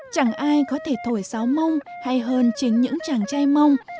chẳng ai có thể thổi sáo mông hay hơn chính những chàng trai mông